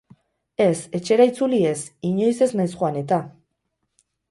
Ez, etxera itzuli ez, inoiz ez naiz joan eta.